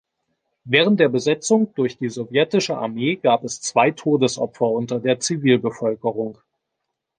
Während der Besetzung durch die sowjetische Armee gab es zwei Todesopfer unter der Zivilbevölkerung.